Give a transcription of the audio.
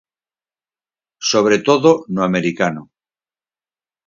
Sobre todo no americano.